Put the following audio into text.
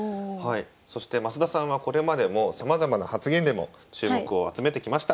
そして増田さんはこれまでもさまざまな発言でも注目を集めてきました。